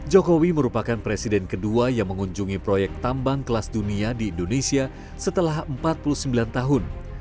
jokowi merupakan presiden kedua yang mengunjungi proyek tambang kelas dunia di indonesia setelah empat puluh sembilan tahun